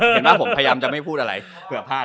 พยายามจะไม่พูดอะไรเผื่อพลาด